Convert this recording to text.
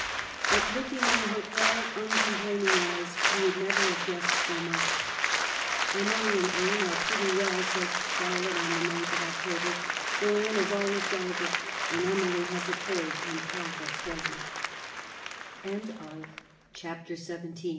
But looking on her quiet, uncomplaining eyes, you would not have guessed so much. " Emily and Anne are pretty well," says Char lotte, on the 9th of October, " though Anne is always delicate and Emily has a cold and cough